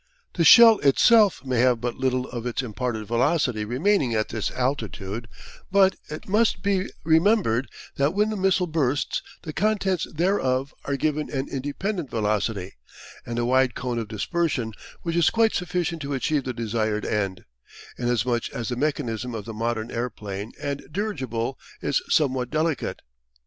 The shell itself may have but little of its imparted velocity remaining at this altitude, but it must be remembered that when the missile bursts, the contents thereof are given an independent velocity, and a wide cone of dispersion, which is quite sufficient to achieve the desired end, inasmuch as the mechanism of the modern aeroplane and dirigible is somewhat delicate.